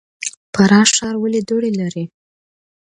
فراه ښار ولې دوړې لري؟